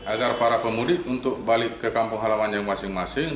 agar para pemudik untuk balik ke kampung halamannya masing masing